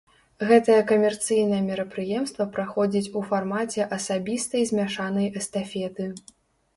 Гэтае камерцыйнае мерапрыемства праходзіць у фармаце асабістай змяшанай эстафеты.